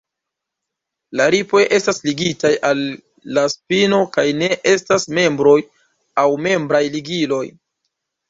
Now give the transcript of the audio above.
La ripoj estas ligitaj al la spino kaj ne estas membroj aŭ membraj ligiloj.